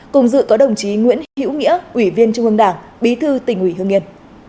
cùng dự có đồng chí nguyễn hiễu nghĩa ủy viên trung ương đảng bí thư tỉnh ủy hương yên